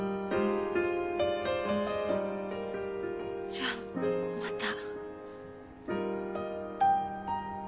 じゃまた。